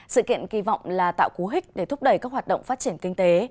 sự kiện kỳ vọng là tạo cú hích để thúc đẩy các hoạt động phát triển kinh tế